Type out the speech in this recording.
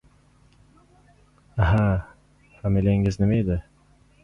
— Bari aytsa-da, sen aytma. Chin, bizning qishloqdan Rashid ikkovimiz, chin.